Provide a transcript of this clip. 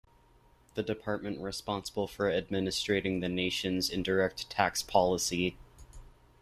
The department responsible for administrating the nation's indirect tax policy.